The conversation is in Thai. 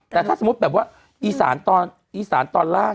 แต่ถ้าสมมุติแบบว่าอีสานตอนล่าง